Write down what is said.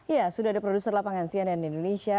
ya sudah ada produser lapangan cnn indonesia